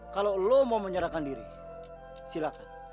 kalau lo mau menyerahkan diri silakan